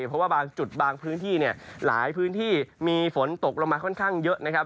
เพราะว่าบางจุดบางพื้นที่เนี่ยหลายพื้นที่มีฝนตกลงมาค่อนข้างเยอะนะครับ